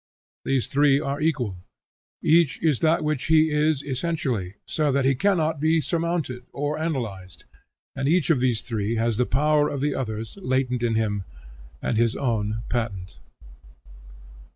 These three are equal. Each is that which he is essentially, so that he cannot be surmounted or analyzed, and each of these three has the power of the others latent in him, and his own, patent.